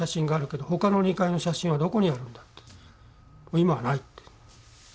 「今はない」って。